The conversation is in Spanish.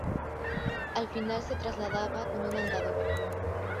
Al final se trasladaba con un andador.